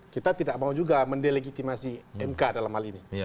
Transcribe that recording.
kita tidak mau juga mendelegitimasi mk dalam hal ini